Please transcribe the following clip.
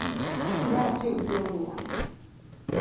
Ne atiyo gi ong’we yamo